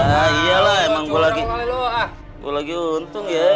nah iyalah emang gua lagi untung ya